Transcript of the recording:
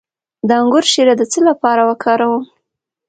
د انګور شیره د څه لپاره وکاروم؟